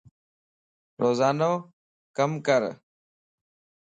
روزانو ڪم ڪر